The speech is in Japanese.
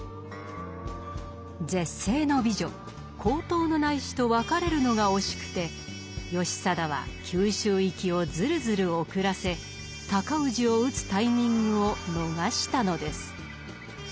絶世の美女勾当内侍と別れるのが惜しくて義貞は九州行きをズルズル遅らせ尊氏を討つタイミングを逃したのです。